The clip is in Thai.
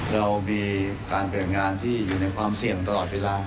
เรามีการเปลี่ยนงานที่อยู่ในความเสี่ยงตลอดเวลา